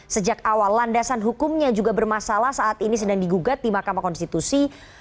sejak awal landasan hukumnya juga bermasalah saat ini sedang digugat di mahkamah konstitusi